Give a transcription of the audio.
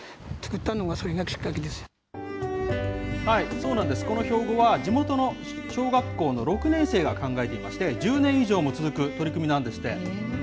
そうなんです、この標語は、地元の小学校の６年生が考えていまして、１０年以上も続く取り組みなんですって。